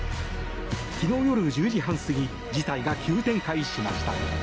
昨日夜１０時半過ぎ事態が急展開しました。